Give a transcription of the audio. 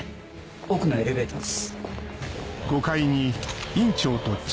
奥のエレベーターです。